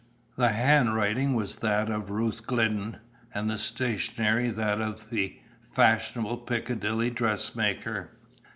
The handwriting was that of Ruth Glidden, and the stationery that of a fashionable Piccadilly dressmaker.